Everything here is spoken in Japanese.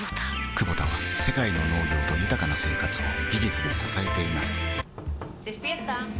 クボタは世界の農業と豊かな生活を技術で支えています起きて。